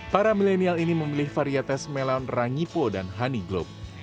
para milenial ini memilih varietes melon rangipo dan honey globe